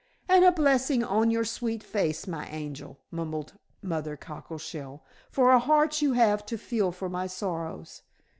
"And a blessing on your sweet face, my angel," mumbled Mother Cockleshell. "For a heart you have to feel for my sorrows."